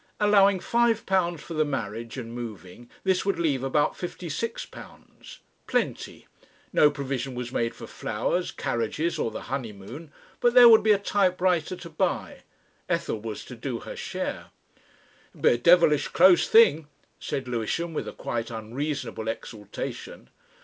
Allowing five pounds for the marriage and moving, this would leave about £56. Plenty. No provision was made for flowers, carriages, or the honeymoon. But there would be a typewriter to buy. Ethel was to do her share.... "It will be a devilish close thing," said Lewisham with a quite unreasonable exultation.